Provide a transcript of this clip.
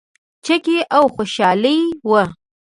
چکې او خوشحالي وه.